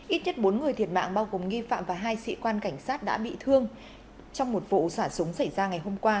ít nhất bốn người thiệt mạng bao gồm nghi phạm và hai sĩ quan cảnh sát đã bị thương trong một vụ xả súng xảy ra ngày hôm qua